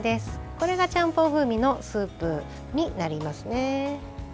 これが、ちゃんぽん風味のスープになりますね。